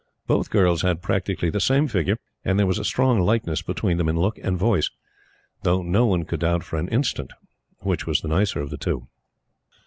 Both girls had, practically, the same figure, and there was a strong likeness between them in look and voice; though no one could doubt for an instant which was the nicer of the two.